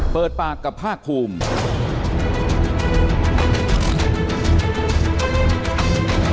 เปิดปากกับภาคภูมิ